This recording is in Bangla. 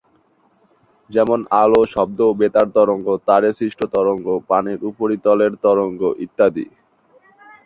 যেমনঃ আলো, শব্দ, বেতার তরঙ্গ, তারে সৃষ্ট তরঙ্গ, পানির উপরিতলের তরঙ্গ ইত্যাদি।